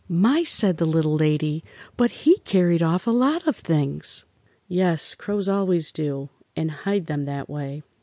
"My!" said the Little Lady, "but he'd carried off a lot of things!" Yes, crows always do, and hide them that way.